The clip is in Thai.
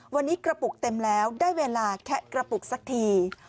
วันนี้กระปุกเต็มแล้วได้เวลาแคะกระปุกสักที